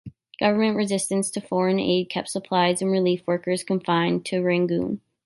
Government resistance to foreign aid kept supplies and relief workers confined to Rangoon.